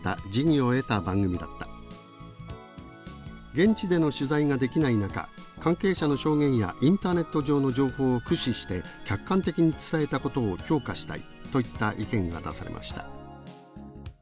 「現地での取材ができない中関係者の証言やインターネット上の情報を駆使して客観的に伝えたことを評価したい」といった意見が出されました。